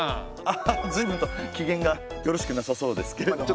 アハハ随分と機嫌がよろしくなさそうですけれども。